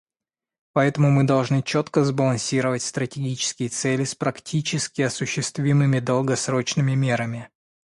Поэтому мы должны четко сбалансировать стратегические цели с практически осуществимыми долгосрочными мерами.